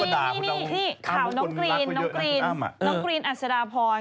น้องกรีนอาศราผอย